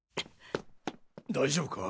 大丈夫か。